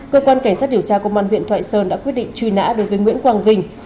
cơ quan cảnh sát điều tra công an huyện thoại sơn đã quyết định truy nã đối với nguyễn quang vinh